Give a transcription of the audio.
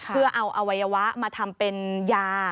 เพื่อเอาอวัยวะมาทำเป็นยา